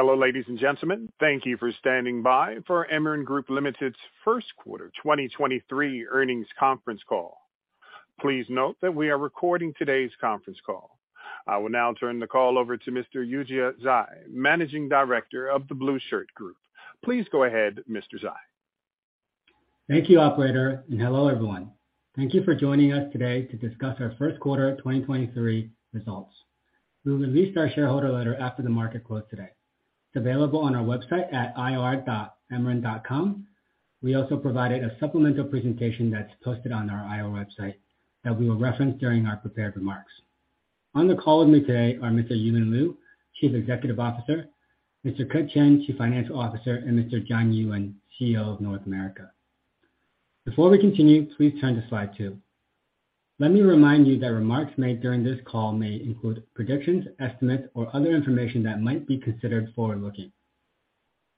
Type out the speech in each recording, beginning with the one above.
Hello, ladies and gentlemen. Thank you for standing by for Emeren Group Limited's first quarter 2023 earnings conference call. Please note that we are recording today's conference call. I will now turn the call over to Mr. Yujia Zhai, Managing Director of The Blueshirt Group. Please go ahead, Mr. Zhai. Thank you, operator, and hello, everyone. Thank you for joining us today to discuss our first quarter 2023 results. We've released our shareholder letter after the market close today. It's available on our website at ir.emeren.com. We also provided a supplemental presentation that's posted on our IR website, that we will reference during our prepared remarks. On the call with me today are Mr. Yumin Liu, Chief Executive Officer, Mr. Ke Chen, Chief Financial Officer, and Mr. John Yuan, CEO of North America. Before we continue, please turn to Slide 2. Let me remind you that remarks made during this call may include predictions, estimates, or other information that might be considered forward-looking.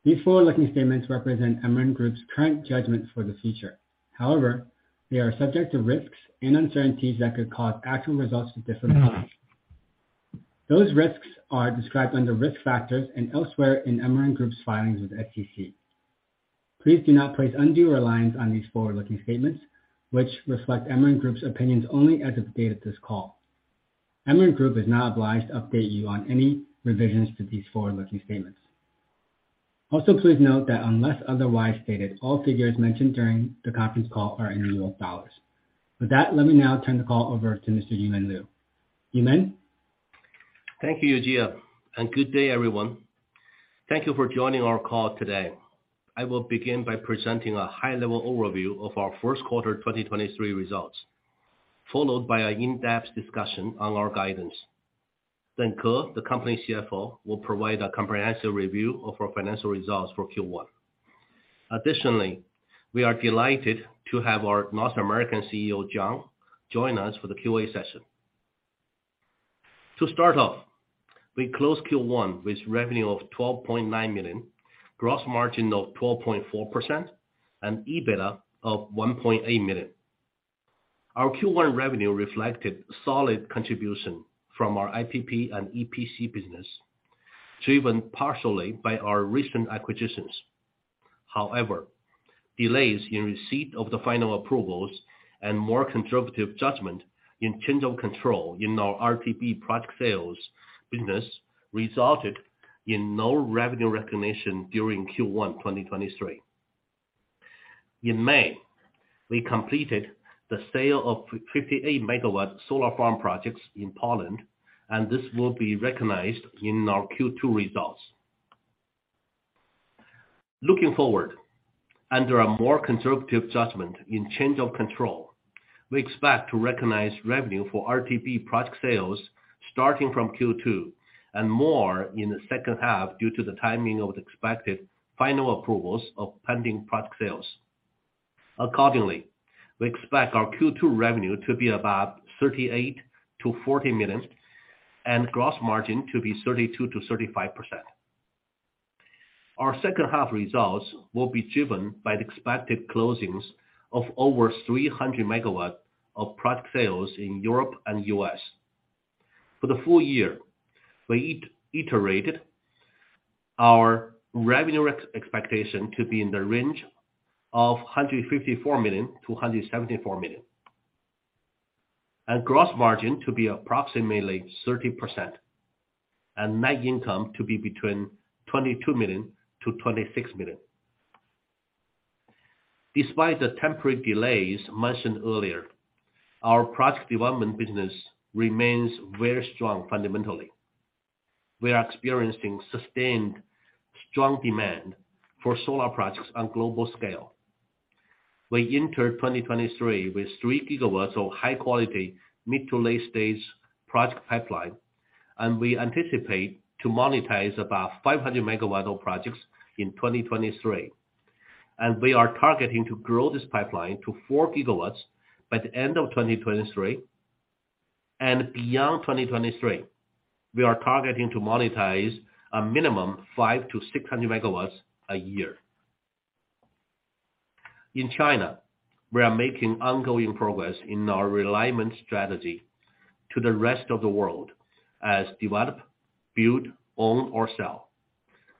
These forward-looking statements represent Emeren Group's current judgments for the future. However, they are subject to risks and uncertainties that could cause actual results to differ significantly. Those risks are described under risk factors and elsewhere in Emeren Group's filings with the SEC. Please do not place undue reliance on these forward-looking statements, which reflect Emeren Group's opinions only as of the date of this call. Emeren Group is not obliged to update you on any revisions to these forward-looking statements. Also, please note that unless otherwise stated, all figures mentioned during the conference call are in US dollars. With that, let me now turn the call over to Mr. Yumin Liu. Yumin? Thank you, Yujia. Good day, everyone. Thank you for joining our call today. I will begin by presenting a high-level overview of our first quarter 2023 results, followed by an in-depth discussion on our guidance. Ke, the company CFO, will provide a comprehensive review of our financial results for Q1. Additionally, we are delighted to have our North American CEO, John, join us for the QA session. To start off, we closed Q1 with revenue of $12.9 million, gross margin of 12.4%, and EBITDA of $1.8 million. Our Q1 revenue reflected solid contribution from our IPP and EPC business, driven partially by our recent acquisitions. However, delays in receipt of the final approvals and more conservative judgment in change of control in our RTP product sales business resulted in no revenue recognition during Q1 2023. In May, we completed the sale of 58 megawatt solar farm projects in Poland. This will be recognized in our Q2 results. Looking forward, under a more conservative judgment in change of control, we expect to recognize revenue for RTP product sales starting from Q2, and more in the second half, due to the timing of the expected final approvals of pending product sales. Accordingly, we expect our Q2 revenue to be about $38 million-$40 million, and gross margin to be 32%-35%. Our second half results will be driven by the expected closings of over 300 megawatts of product sales in Europe and U.S. For the full year, we iterated our revenue expectation to be in the range of $154 million-$174 million. Gross margin to be approximately 30%, and net income to be between $22 million-$26 million. Despite the temporary delays mentioned earlier, our product development business remains very strong fundamentally. We are experiencing sustained, strong demand for solar projects on global scale. We entered 2023 with 3 gigawatts of high quality, mid-to-late stage project pipeline, and we anticipate to monetize about 500 megawatt of projects in 2023. We are targeting to grow this pipeline to 4 gigawatts by the end of 2023. Beyond 2023, we are targeting to monetize a minimum 500-600 megawatts a year. In China, we are making ongoing progress in our realignment strategy to the rest of the world as develop, build, own or sell,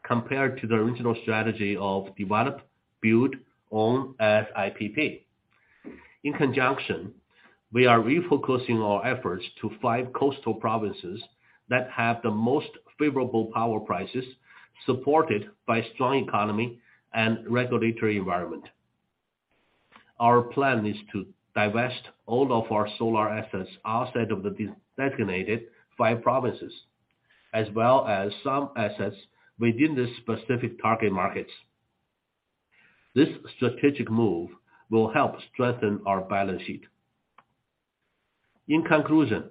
compared to the original strategy of develop, build, own, as IPP. In conjunction, we are refocusing our efforts to five coastal provinces that have the most favorable power prices, supported by strong economy and regulatory environment. Our plan is to divest all of our solar assets outside of the designated five provinces, as well as some assets within the specific target markets. This strategic move will help strengthen our balance sheet. In conclusion,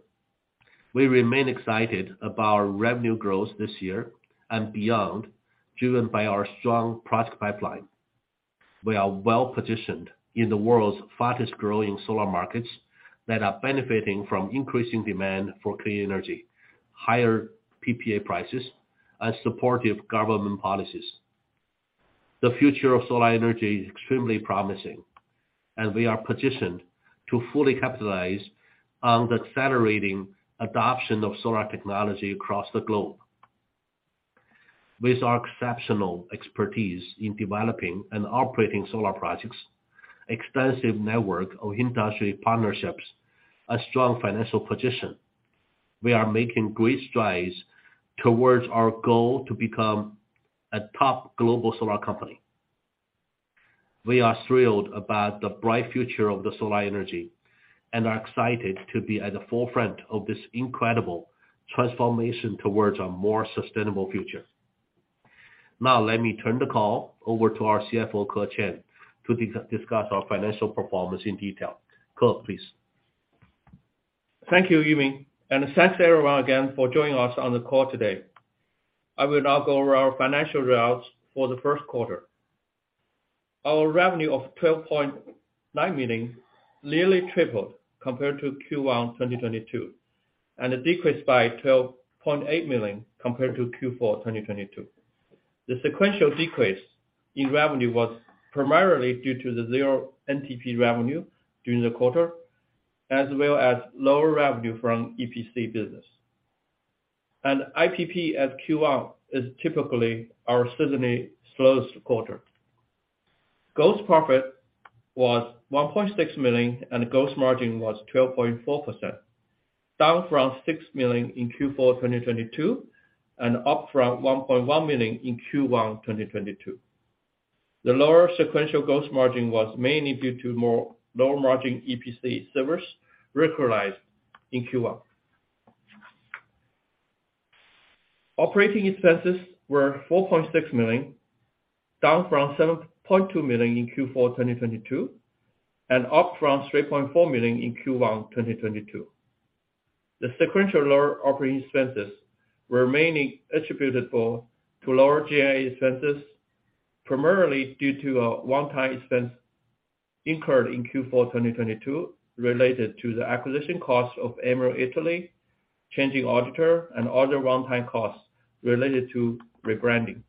we remain excited about revenue growth this year and beyond, driven by our strong product pipeline. We are well positioned in the world's fastest growing solar markets that are benefiting from increasing demand for clean energy, higher PPA prices, and supportive government policies. The future of solar energy is extremely promising, and we are positioned to fully capitalize on the accelerating adoption of solar technology across the globe. With our exceptional expertise in developing and operating solar projects, extensive network of industry partnerships, a strong financial position, we are making great strides towards our goal to become a top global solar company. We are thrilled about the bright future of the solar energy, and are excited to be at the forefront of this incredible transformation towards a more sustainable future. Now, let me turn the call over to our CFO, Ke Chen, to discuss our financial performance in detail. Ke, please. Thank you, Yumin. Thanks everyone again for joining us on the call today. I will now go over our financial results for the first quarter. Our revenue of $12.9 million nearly tripled compared to Q1 2022, and it decreased by $12.8 million compared to Q4 2022. The sequential decrease in revenue was primarily due to the zero NTP revenue during the quarter, as well as lower revenue from EPC business. IPP at Q1 is typically our seasonally slowest quarter. Gross profit was $1.6 million, and gross margin was 12.4%, down from $6 million in Q4 2022, and up from $1.1 million in Q1 2022. The lower sequential gross margin was mainly due to more lower margin EPC service recognized in Q1. Operating expenses were $4.6 million, down from $7.2 million in Q4, 2022, and up from $3.4 million in Q1, 2022. The sequential lower operating expenses remaining attributable to lower G&A expenses, primarily due to a one-time expense incurred in Q4, 2022, related to the acquisition costs of Emeren Italy, changing auditor and other one-time costs related to rebranding.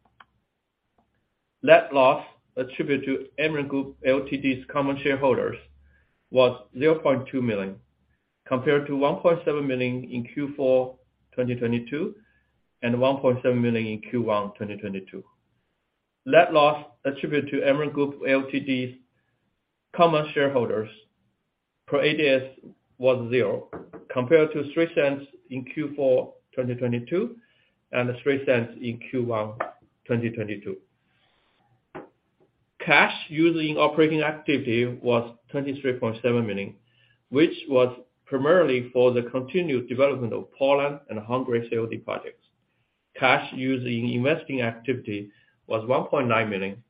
Net loss attributed to Emeren Group Ltd's common shareholders was $0.2 million, compared to $1.7 million in Q4, 2022, and $1.7 million in Q1, 2022. Net loss attributed to Emeren Group Ltd's common shareholders per ADS was 0, compared to $0.03 in Q4, 2022, and $0.03 in Q1, 2022. Cash using operating activity was $23.7 million, which was primarily for the continued development of Poland and Hungary COD projects. Cash using investing activity was $1.9 million.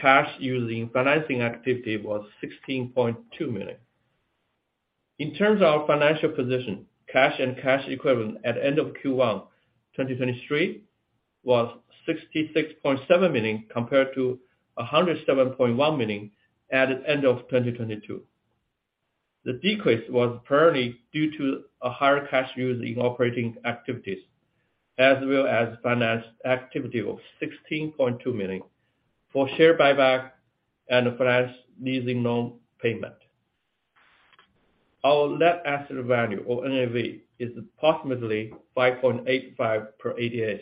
Cash using financing activity was $16.2 million. In terms of our financial position, cash and cash equivalent at end of Q1 2023 was $66.7 million, compared to $107.1 million at the end of 2022. The decrease was primarily due to a higher cash use in operating activities, as well as finance activity of $16.2 million for share buyback and finance leasing loan payment. Our net asset value, or NAV, is approximately $5.85 per ADS.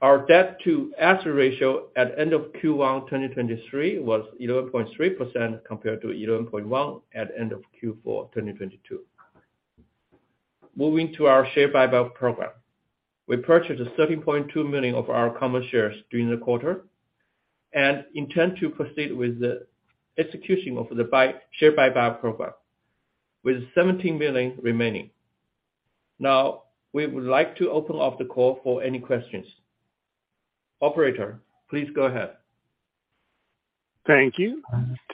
Our debt-to-asset ratio at end of Q1 2023 was 11.3%, compared to 11.1% at end of Q4 2022. Moving to our share buyback program. We purchased 13.2 million of our common shares during the quarter and intend to proceed with the execution of the share buyback program with 17 million remaining. Now, we would like to open up the call for any questions. Operator, please go ahead. Thank you.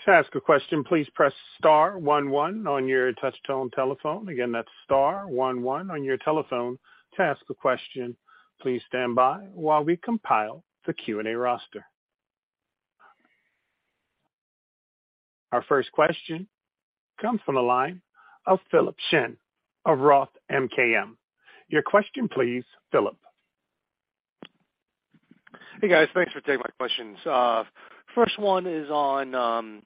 To ask a question, please press star one one on your touchtone telephone. Again, that's star one one on your telephone to ask a question. Please stand by while we compile the Q&A roster. Our first question comes from the line of Philip Shen of Roth MKM. Your question, please, Philip. Hey, guys. Thanks for taking my questions. First one is on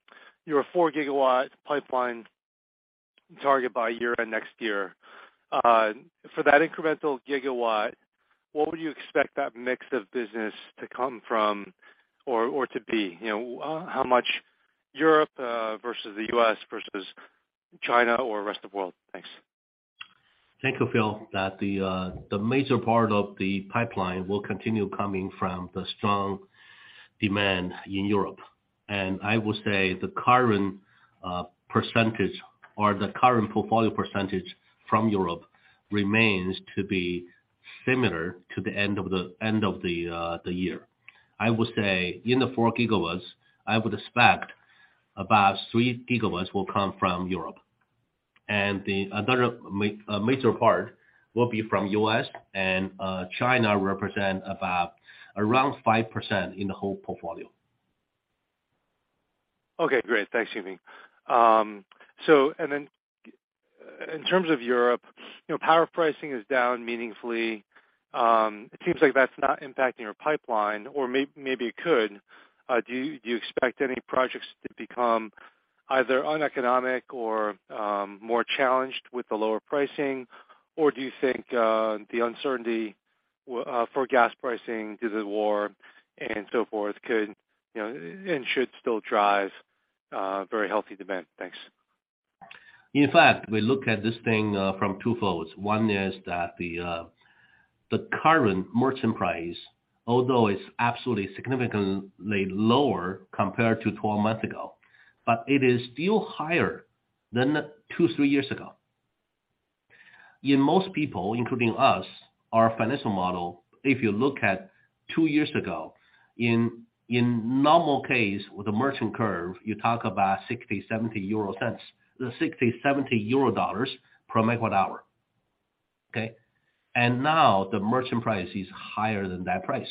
your 4 gigawatt pipeline target by year end next year. For that incremental gigawatt, what would you expect that mix of business to come from or to be? You know, how much Europe versus the U.S. versus China or rest of world? Thanks. Thank you, Phil. That the major part of the pipeline will continue coming from the strong demand in Europe. I will say the current percentage or the current portfolio percentage from Europe remains to be similar to the end of the year. I would say in the 4 gigawatts, I would expect about 3 gigawatts will come from Europe, the another major part will be from U.S. and China represent about around 5% in the whole portfolio. Okay, great. Thanks, Yumin. In terms of Europe, you know, power pricing is down meaningfully. It seems like that's not impacting your pipeline or maybe it could. Do you expect any projects to become either uneconomic or more challenged with the lower pricing? Do you think the uncertainty for gas pricing due to the war and so forth could, you know, and should still drive very healthy demand? Thanks. In fact, we look at this thing from 2 folds. One is that the current merchant price, although it's absolutely significantly lower compared to 12 months ago, but it is still higher than two, three years ago. In most people, including us, our financial model, if you look at two years ago, in normal case, with the merchant curve, you talk about EUR 0.60, EUR 0.70, 60, 70 euro per megawatt hour. Okay? Now the merchant price is higher than that price,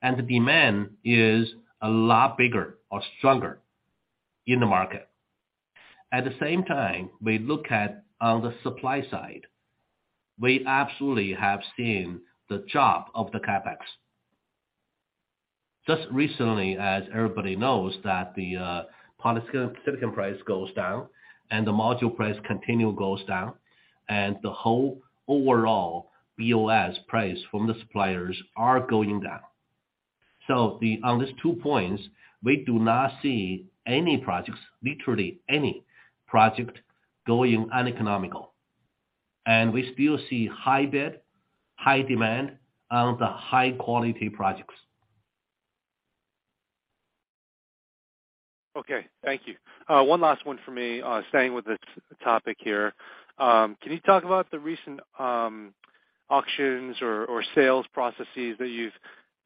and the demand is a lot bigger or stronger in the market. At the same time, we look at, on the supply side, we absolutely have seen the drop of the CapEx. Just recently, as everybody knows, that the polysilicon price goes down, and the module price continue goes down, and the whole overall BOS price from the suppliers are going down. On these two points, we do not see any projects, literally any project, going uneconomical. We still see high bid, high demand on the high-quality projects. Okay, thank you. One last one for me, staying with this topic here. Can you talk about the recent, auctions or sales processes that you've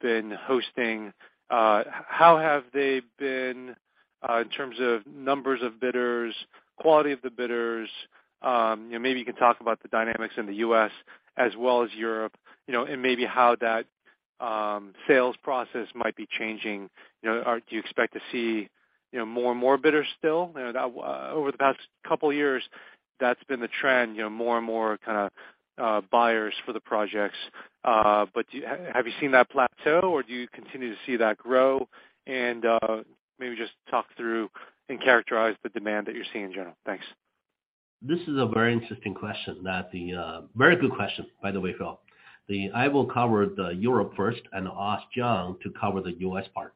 been hosting? How have they been, in terms of numbers of bidders, quality of the bidders? You know, maybe you can talk about the dynamics in the U.S. as well as Europe, you know, and maybe how that, sales process might be changing. You know, do you expect to see, you know, more and more bidders still? You know, that, over the past couple of years, that's been the trend, you know, more and more kind of, buyers for the projects. Have you seen that plateau, or do you continue to see that grow? maybe just talk through and characterize the demand that you're seeing in general. Thanks. This is a very interesting question. Very good question, by the way, Phil. I will cover Europe first and ask John to cover the U.S. part.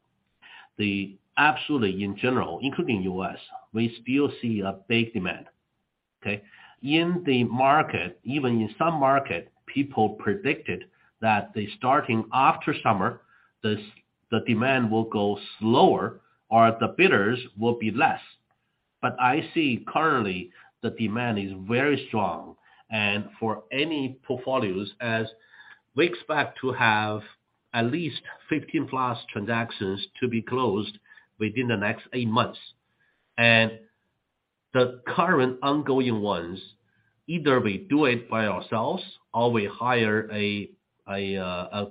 Absolutely, in general, including U.S., we still see a big demand, okay? In the market, even in some market, people predicted that the starting after summer, the demand will go slower or the bidders will be less. I see currently the demand is very strong and for any portfolios, as we expect to have at least 15 plus transactions to be closed within the next eight months. The current ongoing ones, either we do it by ourselves or we hire a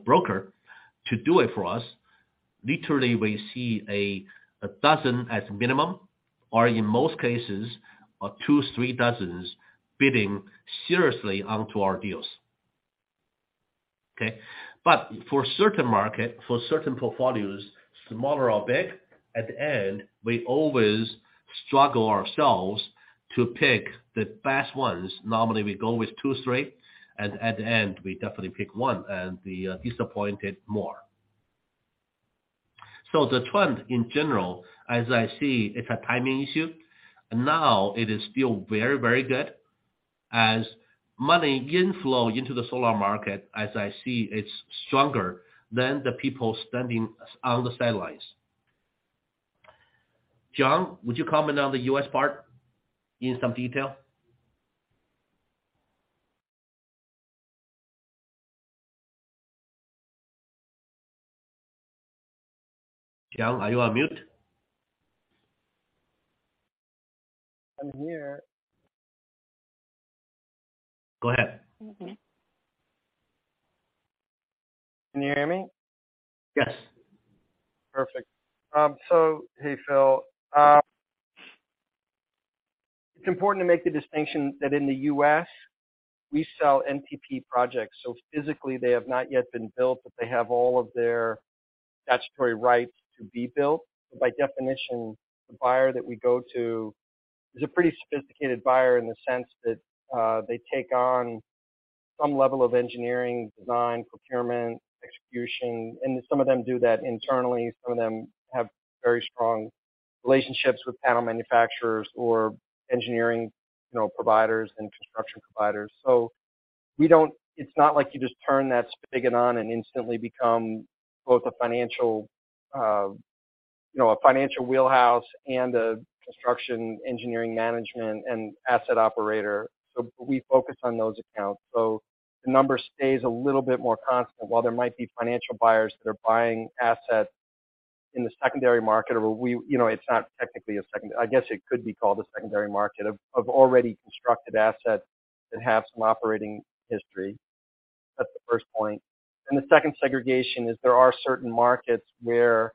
broker to do it for us. Literally, we see a dozen at minimum, or in most cases, two, three dozens bidding seriously onto our deals. Okay? For certain market, for certain portfolios, smaller or big, at the end, we always struggle ourselves to pick the best ones. Normally, we go with two, three, and at the end, we definitely pick one and we are disappointed more. The trend in general, as I see, it's a timing issue. Now, it is still very, very good as money inflow into the solar market, as I see, it's stronger than the people standing on the sidelines. John, would you comment on the U.S. part in some detail? John, are you on mute? I'm here. Go ahead. Mm-hmm. Can you hear me? Yes. Perfect. Hey, Phil, it's important to make the distinction that in the U.S., we sell NTP projects, so physically, they have not yet been built, but they have all of their statutory rights to be built. By definition, the buyer that we go to is a pretty sophisticated buyer in the sense that they take on some level of engineering, design, procurement, execution, and some of them do that internally. Some of them have very strong relationships with panel manufacturers or engineering, you know, providers and construction providers. It's not like you just turn that spigot on and instantly become both a financial, you know, a financial wheelhouse and a construction engineering management and asset operator. We focus on those accounts. The number stays a little bit more constant. While there might be financial buyers that are buying assets in the secondary market, or we, you know, it's not technically I guess it could be called a secondary market, of already constructed assets that have some operating history. That's the first point. The second segregation is there are certain markets where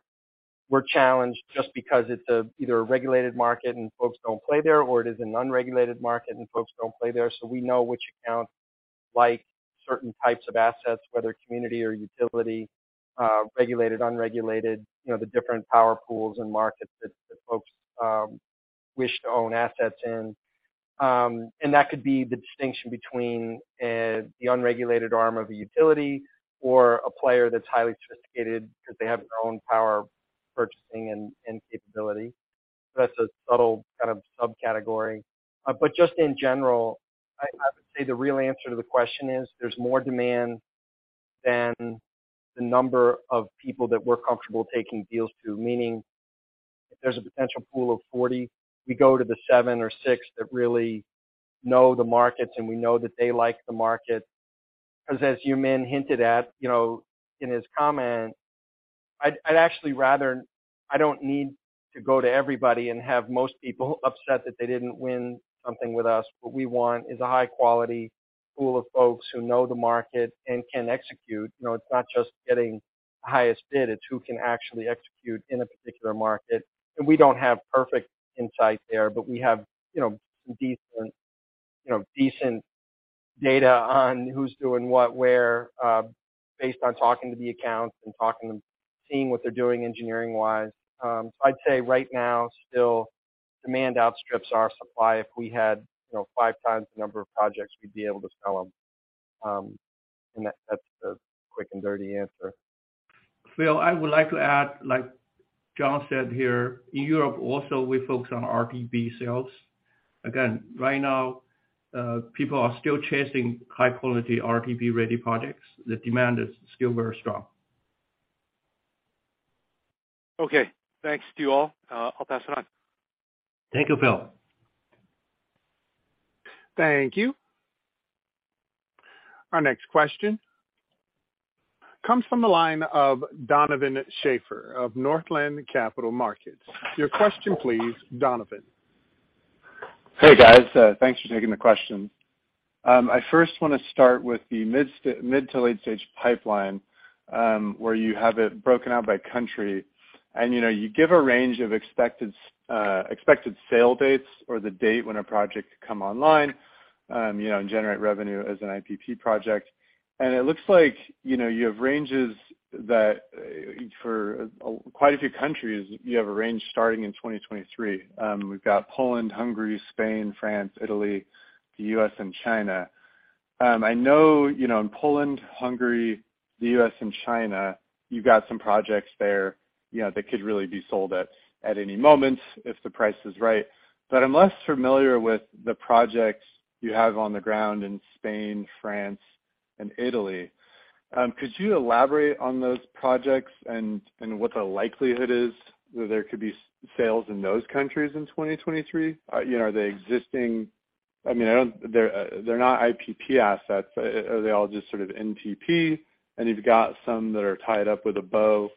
we're challenged just because it's a, either a regulated market and folks don't play there, or it is an unregulated market and folks don't play there. We know which accounts like certain types of assets, whether community or utility, regulated, unregulated, you know, the different power pools and markets that folks wish to own assets in. That could be the distinction between the unregulated arm of a utility or a player that's highly sophisticated because they have their own power purchasing and capability. That's a subtle kind of subcategory. Just in general, I would say the real answer to the question is, there's more demand than the number of people that we're comfortable taking deals to. Meaning, if there's a potential pool of 40, we go to the 7 or 6 that really know the markets, and we know that they like the market. As Yumin hinted at, you know, in his comment, I don't need to go to everybody and have most people upset that they didn't win something with us. What we want is a high-quality pool of folks who know the market and can execute. You know, it's not just getting the highest bid, it's who can actually execute in a particular market. We don't have perfect insight there, but we have, you know, decent, you know, decent data on who's doing what, where, based on talking to the accounts and talking and seeing what they're doing engineering-wise. I'd say right now, still, demand outstrips our supply. If we had, you know, 5x the number of projects, we'd be able to sell them. That, that's the quick and dirty answer. Phil, I would like to add, like John said here, in Europe, also, we focus on RTP sales. Again, right now, people are still chasing high-quality, RTP-ready projects. The demand is still very strong. Okay. Thanks to you all. I'll pass it on. Thank you, Phil. Thank you. Our next question comes from the line of Donovan Schafer of Northland Capital Markets. Your question, please, Donovan. Hey, guys, thanks for taking the question. I first want to start with the mid to late stage pipeline, where you have it broken out by country. You know, you give a range of expected expected sale dates or the date when a project could come online, you know, and generate revenue as an IPP project. It looks like, you know, you have ranges that for quite a few countries, you have a range starting in 2023. We've got Poland, Hungary, Spain, France, Italy, the US, and China. I know, you know, in Poland, Hungary, the US, and China, you've got some projects there, you know, that could really be sold at any moment if the price is right. I'm less familiar with the projects you have on the ground in Spain, France, and Italy. Could you elaborate on those projects and what the likelihood is that there could be sales in those countries in 2023? You know, are they existing. I mean, I don't, they're not IPP assets. Are they all just sort of NTP, and you've got some that are tied up with a bow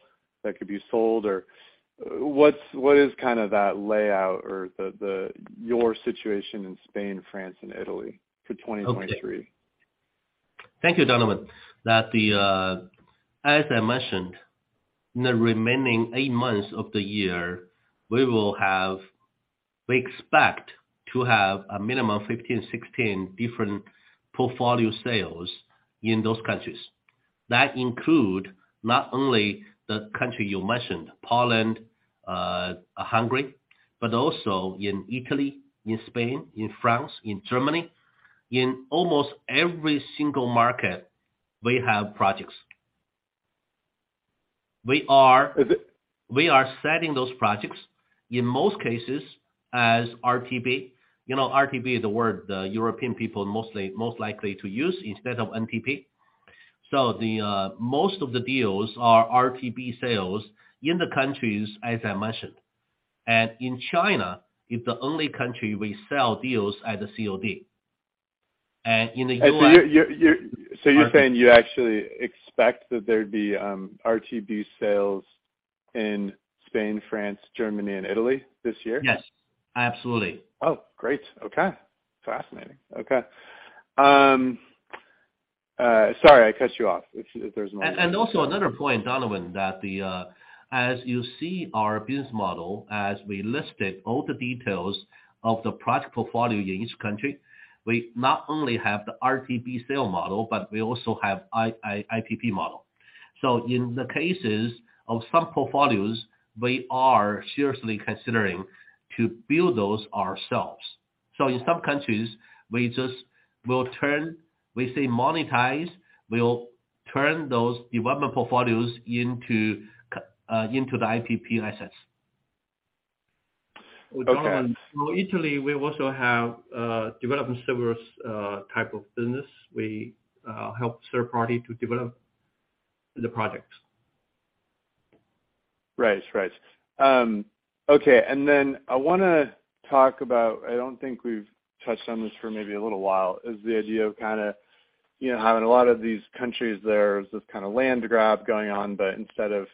that could be sold? Or what is kind of that layout or the your situation in Spain, France, and Italy for 2023? Okay. Thank you, Donovan. That, as I mentioned, in the remaining eight months of the year, we expect to have a minimum of 15, 16 different portfolio sales in those countries. That include not only the country you mentioned, Poland, Hungary, but also in Italy, in Spain, in France, in Germany. In almost every single market, we have projects. We are setting those projects, in most cases, as RTP. You know, RTP is the word the European people mostly, most likely to use instead of NTP. Most of the deals are RTP sales in the countries, as I mentioned. In China, it's the only country we sell deals as a COD. In the U.S. You're. Pardon. You're saying you actually expect that there'd be RTP sales in Spain, France, Germany, and Italy this year? Yes, absolutely. Oh, great! Okay. Fascinating. Okay. sorry, I cut you off, if there's more. Also another point, Donovan, that as you see our business model, as we listed all the details of the product portfolio in each country, we not only have the RTP sale model, but we also have IPP model. In the cases of some portfolios, we are seriously considering to build those ourselves. In some countries, we just will turn, we say, monetize, we'll turn those development portfolios into the IPP assets. Okay. Donovan, in Italy, we also have development service type of business. We help third party to develop the projects. Right. Right. Okay. I want to talk about, I don't think we've touched on this for maybe a little while, is the idea of kind of, you know, having a lot of these countries, there's this kind of land grab going on, but instead of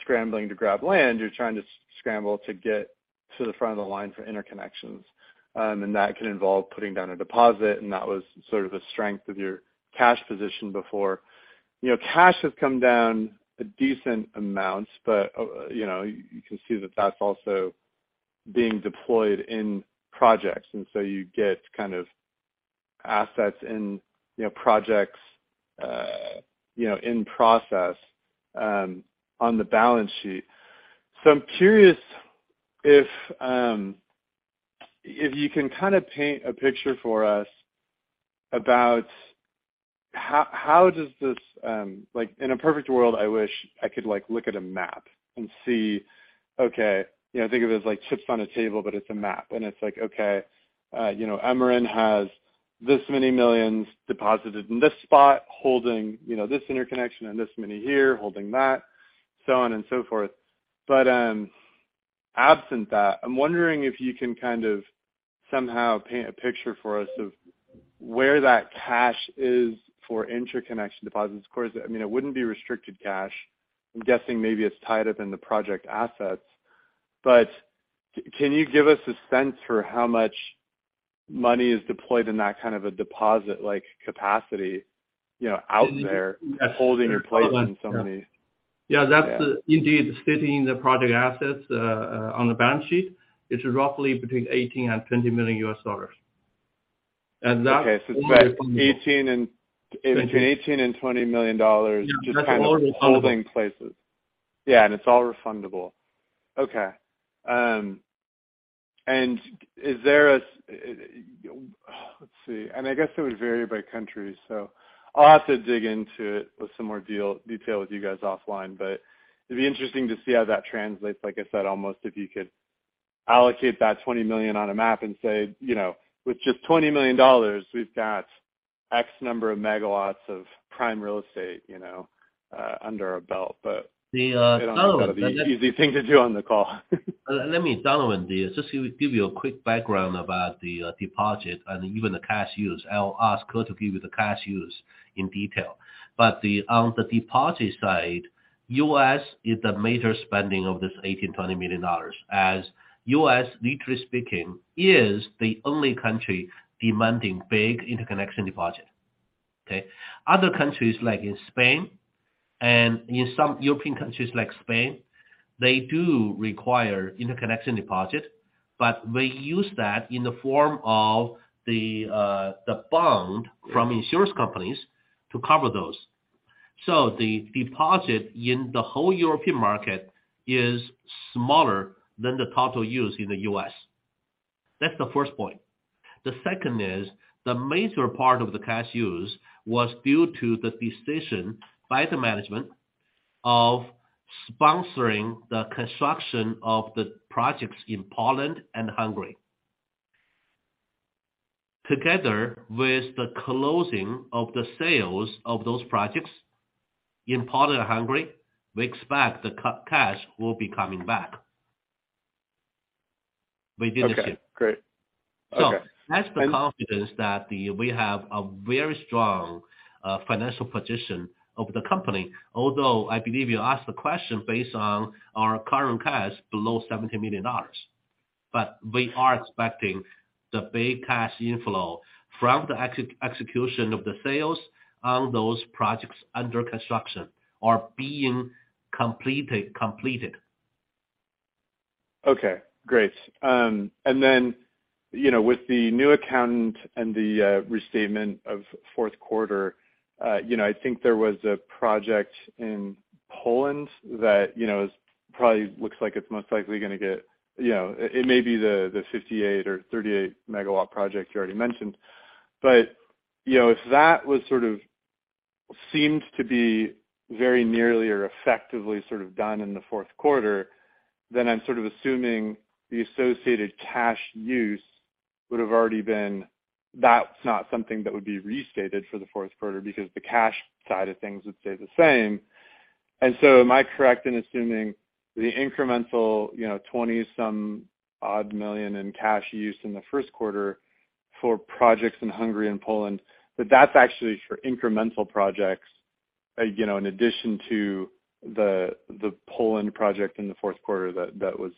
scrambling to grab land, you're trying to scramble to get to the front of the line for interconnections. That can involve putting down a deposit, and that was sort of the strength of your cash position before. You know, cash has come down a decent amount, but, you know, you can see that that's also being deployed in projects, so you get kind of assets in, you know, projects, you know, in process on the balance sheet. I'm curious if you can kind of paint a picture for us about how does this, like, in a perfect world, I wish I could, like, look at a map and see, okay, you know, think of it as like chips on a table, but it's a map. It's like, okay, you know, Emeren Group has this many millions deposited in this spot, holding, you know, this interconnection and this many here, holding that, so on and so forth. Absent that, I'm wondering if you can kind of somehow paint a picture for us of where that cash is for interconnection deposits. Of course, I mean, it wouldn't be restricted cash. I'm guessing maybe it's tied up in the project assets, but can you give us a sense for how much money is deployed in that kind of a deposit-like capacity, you know, out there? Yes. - holding in place in some of these? That's indeed sitting in the project assets on the balance sheet. It's roughly between $18 million and $20 million. Okay. It's between 18 and. Thank you. Between $18 million and $20 million. Yeah. That's all refundable. Just kind of holding places. Yeah, and it's all refundable. Okay. Is there a, let's see. I guess it would vary by country, so I'll have to dig into it with some more detail with you guys offline. It'd be interesting to see how that translates, like I said, almost if you could allocate that $20 million on a map and say, you know, with just $20 million, we've got X number of megawatts of prime real estate, you know, under our belt. The I know that's not an easy thing to do on the call. Let me dive in here, just to give you a quick background about the deposit and even the cash use. I'll ask her to give you the cash use in detail. On the deposit side, U.S. is the major spending of this $18 million-$20 million, as U.S., literally speaking, is the only country demanding big interconnection deposit. Okay? Other countries, like in Spain and in some European countries like Spain, they do require interconnection deposit, but they use that in the form of the bond from insurance companies to cover those. The deposit in the whole European market is smaller than the total use in the U.S. That's the first point. The second is, the major part of the cash use was due to the decision by the management of sponsoring the construction of the projects in Poland and Hungary. Together with the closing of the sales of those projects in Poland and Hungary, we expect the cash will be coming back within the year. Okay, great. Okay. That's the confidence that we have a very strong financial position of the company, although I believe you asked the question based on our current cash below $70 million. We are expecting the big cash inflow from the execution of the sales on those projects under construction are being completely completed. Okay, great. You know, with the new accountant and the restatement of fourth quarter, you know, I think there was a project in Poland that, you know, probably looks like it's most likely gonna get, you know, it may be the 58 or 38 megawatt project you already mentioned. You know, if that was sort of seemed to be very nearly or effectively sort of done in the fourth quarter, then I'm sort of assuming the associated cash use would have already been. That's not something that would be restated for the fourth quarter because the cash side of things would stay the same. Am I correct in assuming the incremental, you know, $20 some odd million in cash use in the first quarter for projects in Hungary and Poland, that that's actually for incremental projects, you know, in addition to the Poland project in the fourth quarter that was?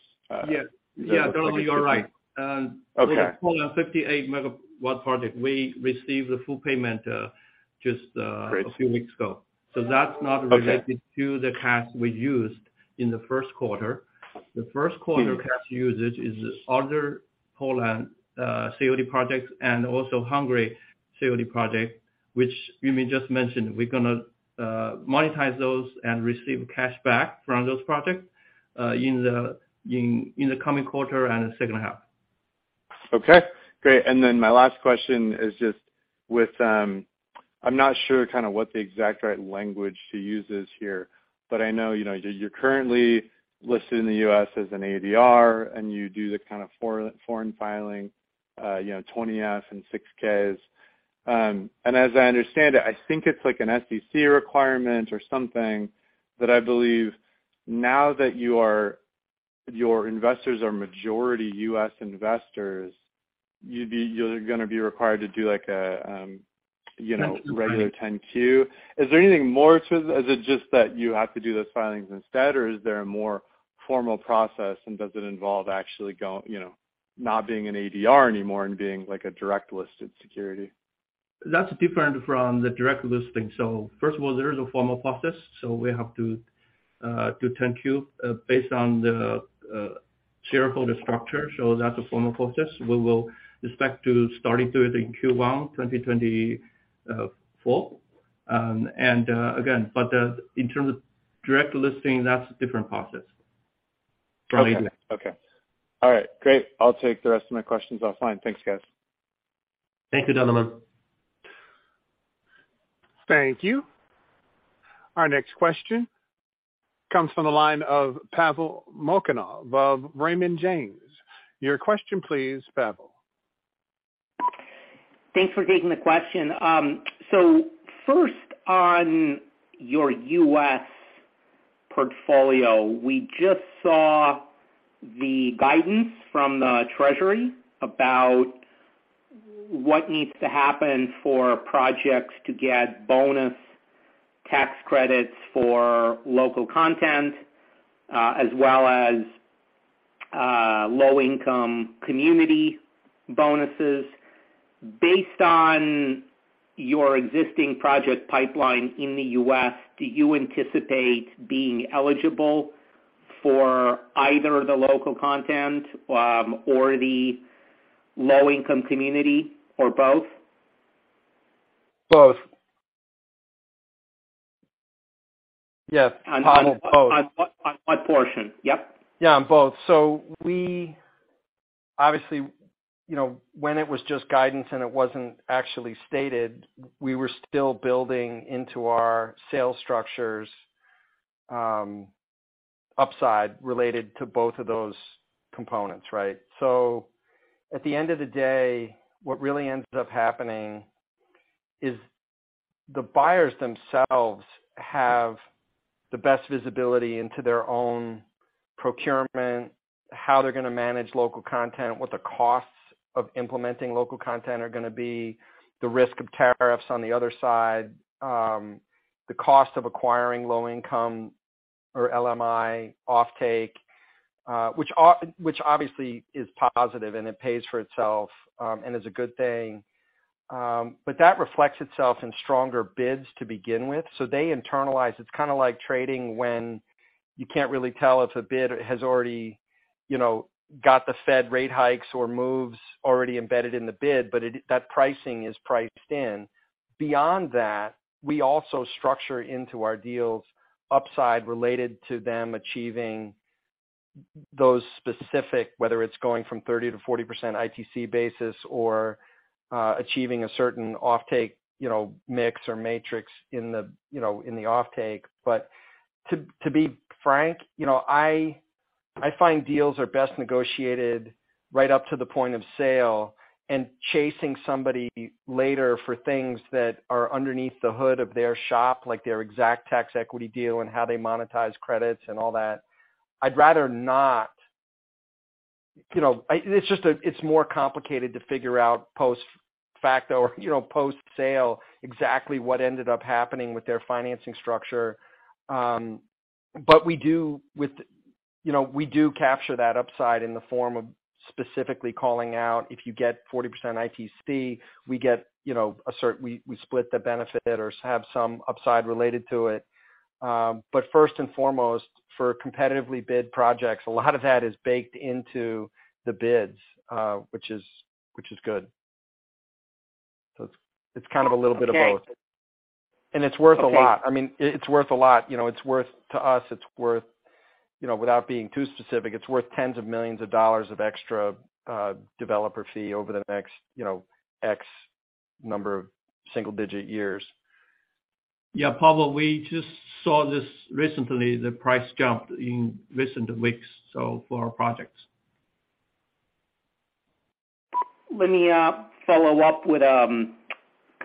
Yes. Yeah, Donovan, you're right. Okay. With the Poland 58 megawatt project, we received the full payment. Great A few weeks ago. So that's not- Okay Related to the cash we used in the first quarter. The first quarter cash usage is this other Poland COD project and also Hungary COD project, which you may just mention, we're gonna monetize those and receive cash back from those projects, in the coming quarter and the second half. Okay, great. My last question is just with, I'm not sure kind of what the exact right language to use is here, but I know, you know, you're currently listed in the U.S. as an ADR, and you do the kind of foreign filing, you know, 20-F and 6-Ks. As I understand it, I think it's like an SEC requirement or something that I believe now that you are-. Your investors are majority U.S. investors, you're gonna be required to do, like, a, you know, regular 10-Q. Is there anything more to it? Is it just that you have to do those filings instead, or is there a more formal process, and does it involve actually go, you know, not being an ADR anymore and being like a direct-listed security? That's different from the direct listing. First of all, there is a formal process, we have to do 10-Q based on the shareholder structure. That's a formal process. We will expect to starting to it in Q1 2024. Again, in terms of direct listing, that's a different process from ADR. Okay. Okay. All right, great. I'll take the rest of my questions offline. Thanks, guys. Thank you, Donovan. Thank you. Our next question comes from the line of Pavel Molchanov of Raymond James. Your question, please, Pavel. Thanks for taking the question. First, on your U.S. portfolio, we just saw the guidance from the Treasury about what needs to happen for projects to get bonus tax credits for local content, as well as low-income community bonuses. Based on your existing project pipeline in the U.S., do you anticipate being eligible for either the local content, or the low-income community, or both? Both. Yes, Pavel, both. On what portion? Yep. Yeah, on both. We obviously, you know, when it was just guidance and it wasn't actually stated, we were still building into our sales structures, upside related to both of those components, right? At the end of the day, what really ends up happening is the buyers themselves have the best visibility into their own procurement, how they're gonna manage domestic content, what the costs of implementing domestic content are gonna be, the risk of tariffs on the other side, the cost of acquiring low income or LMI offtake, which obviously is positive and it pays for itself, and is a good thing. But that reflects itself in stronger bids to begin with. They internalize. It's kinda like trading when you can't really tell if a bid has already, you know, got the Fed rate hikes or moves already embedded in the bid, but that pricing is priced in. Beyond that, we also structure into our deals upside related to them achieving those specific, whether it's going from 30%-40% ITC basis or achieving a certain offtake, you know, mix or matrix in the, you know, in the offtake. To be frank, you know, I find deals are best negotiated right up to the point of sale, and chasing somebody later for things that are underneath the hood of their shop, like their exact tax equity deal and how they monetize credits and all that, I'd rather not. You know, it's just a, it's more complicated to figure out post-facto or, you know, post-sale, exactly what ended up happening with their financing structure. We do, you know, we do capture that upside in the form of specifically calling out, if you get 40% ITC, we get, you know, we split the benefit or have some upside related to it. First and foremost, for competitively bid projects, a lot of that is baked into the bids, which is good. It's, it's kind of a little bit of both. Okay. It's worth a lot. Okay. I mean, it's worth a lot, you know, it's worth to us, it's worth, you know, without being too specific, it's worth tens of millions of dollars of extra developer fee over the next, you know, X number of single digit years. Yeah, Pavel, we just saw this recently, the price jumped in recent weeks, so for our projects. Let me follow up with kind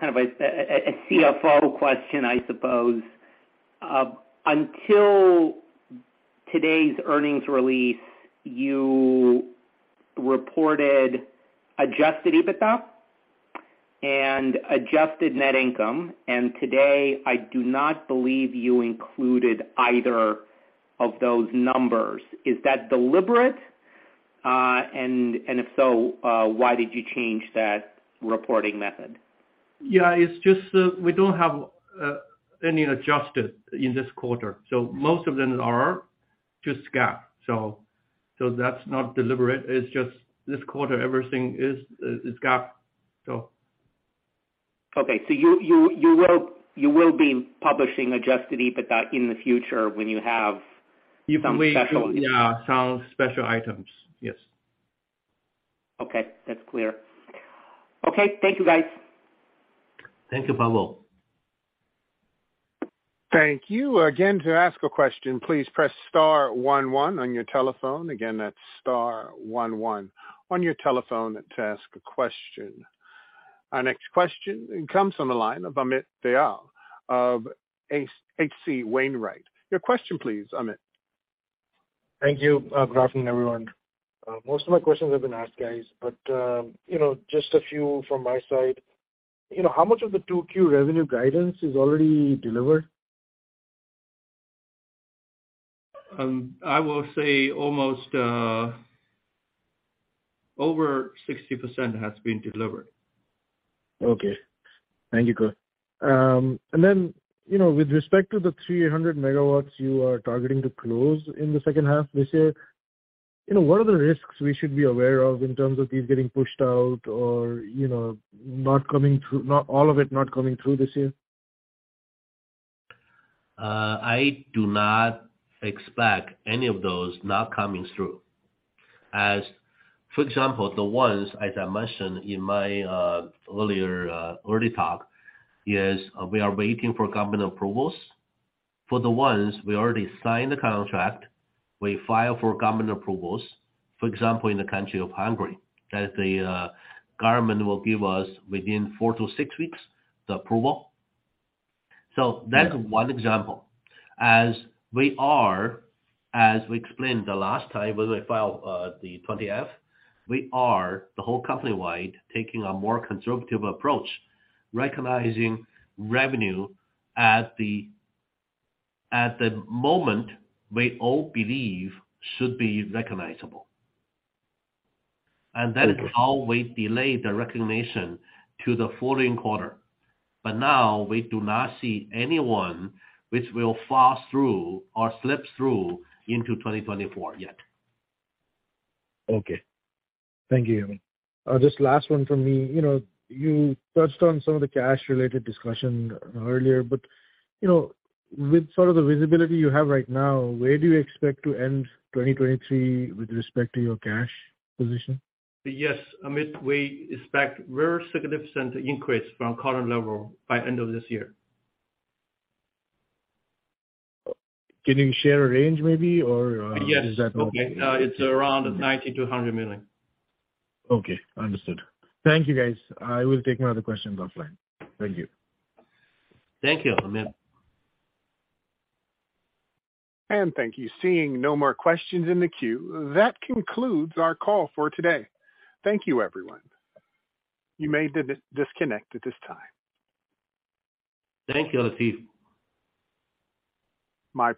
of a CFO question, I suppose. Until today's earnings release, you reported Adjusted EBITDA and Adjusted Net Income, and today, I do not believe you included either of those numbers. Is that deliberate? If so, why did you change that reporting method? It's just that we don't have, any adjusted in this quarter, so most of them are just GAAP. That's not deliberate. It's just this quarter, everything is GAAP, so. Okay, you will be publishing Adjusted EBITDA in the future when you have some special. If we, yeah, some special items. Yes. Okay, that's clear. Okay, thank you, guys. Thank you, Pavel. Thank you. Again, to ask a question, please press star one one on your telephone. Again, that's star one one on your telephone to ask a question. Our next question comes from the line of Amit Dayal of H.C. Wainwright. Your question, please, Amit. Thank you. Good afternoon, everyone. Most of my questions have been asked, guys, but, you know, just a few from my side. You know, how much of the 2Q revenue guidance is already delivered? I will say almost, over 60% has been delivered. Okay. Thank you, Ke. You know, with respect to the 300 megawatts you are targeting to close in the second half this year, you know, what are the risks we should be aware of in terms of these getting pushed out or, you know, not coming through, all of it not coming through this year? I do not expect any of those not coming through. For example, the ones, as I mentioned in my earlier early talk, is we are waiting for government approvals. For the ones we already signed the contract, we file for government approvals, for example, in the country of Hungary, that the government will give us within four to six weeks, the approval. That's one example. We are, as we explained the last time, when we filed the 20-F, we are, the whole company-wide, taking a more conservative approach, recognizing revenue at the moment we all believe should be recognizable. Okay. That is how we delay the recognition to the following quarter. Now we do not see anyone which will fall through or slip through into 2024 yet. Okay. Thank you, Amit. Just last one from me. You know, you touched on some of the cash-related discussion earlier, but, you know, with sort of the visibility you have right now, where do you expect to end 2023 with respect to your cash position? Yes, Amit, we expect very significant increase from current level by end of this year. Can you share a range, maybe, or? Yes. Is that all? It's around $90 million-$100 million. Okay, understood. Thank you, guys. I will take my other questions offline. Thank you. Thank you, Amit. Thank you. Seeing no more questions in the queue, that concludes our call for today. Thank you, everyone. You may disconnect at this time. Thank you, Latif. My pleasure.